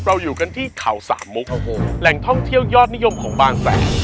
เราอยู่กันที่เขาสามมุกโอ้โหแหล่งท่องเที่ยวยอดนิยมของบางแสน